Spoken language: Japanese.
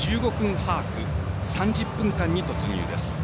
ハーフ３０分間に突入です。